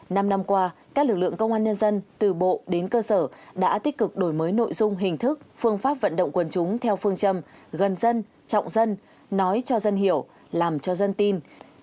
năm năm qua các lực lượng công an nhân dân từ bộ đến cơ sở đã tích cực đổi mới nội dung hình thức phương pháp vận động quân chúng theo phương châm gần dân trọng dân nói cho dân hiểu làm cho dân tin